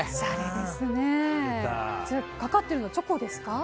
かかっているのはチョコですか？